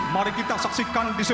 melalui dua cara yaitu